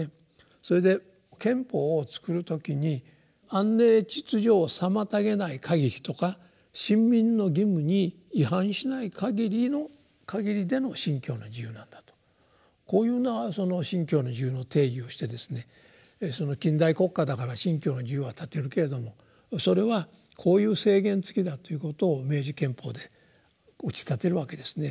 それで憲法を作る時に「安寧秩序を妨げない限り」とか「臣民の義務に違反しない限りでの信教の自由」なんだとこういうような信教の自由の定義をしてですね近代国家だから信教の自由は立てるけれどもそれはこういう制限付きだということを明治憲法で打ち立てるわけですね。